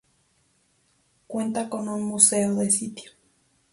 Cuenta con un Museo de Sitio.